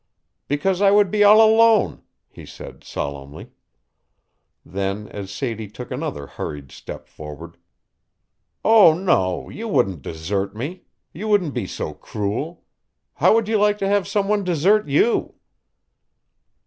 "Because I would be all alone," he said solemnly. Then as Sadie took another hurried step forward: "Oh, no, you wouldn't desert me you wouldn't be so cruel! How would you like to have some one desert you?"